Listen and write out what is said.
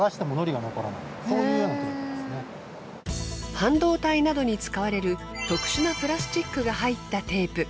半導体などに使われる特殊なプラスチックが入ったテープ。